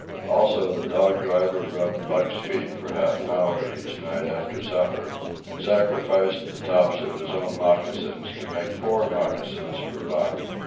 Also, the dog driver rubbed Buck's feet for half an hour each night after supper, and sacrificed the tops of his own moccasins to make four moccasins for Buck.